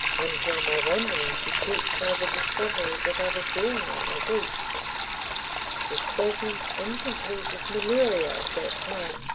Until my wanderings were checked by the discovery that I was wearing out my boots. The stagnant inconclusive malaria of that time!